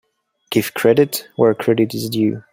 Give credit where credit is due.